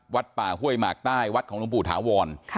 วัดป่าห้วยหมากใต้วัดของหลวงปู่ถาวร